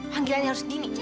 hanggilannya harus dini